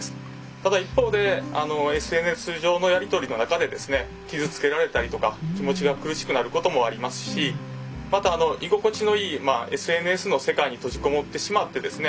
ただ一方でＳＮＳ上のやり取りの中でですね傷つけられたりとか気持ちが苦しくなることもありますしまた居心地のいいＳＮＳの世界に閉じ籠もってしまってですね